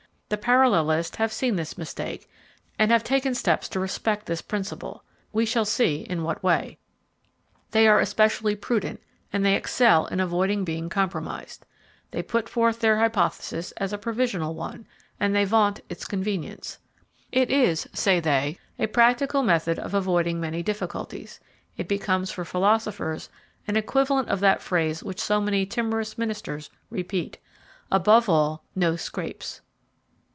The parallelists have seen this mistake, and have taken steps to respect this principle: we shall see in what way. They are especially prudent, and they excel in avoiding being compromised. They put forth their hypothesis as a provisional one, and they vaunt its convenience. It is, say they, a practical method of avoiding many difficulties; it becomes for philosophers an equivalent of that phrase which so many timorous ministers repeat: "Above all, no scrapes!"